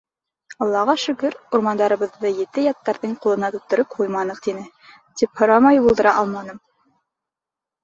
— Аллаға шөкөр, урмандарыбыҙҙы ете-яттарҙың ҡулына тоттороп ҡуйманыҡ, — тине. — тип һорамай булдыра алманым.